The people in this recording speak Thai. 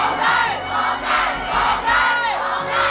ร้องได้